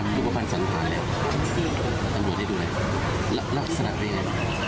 หน้ารูปภัณฑ์สันฐานอันนี้ได้ดูไงลักษณะเป็นยังไง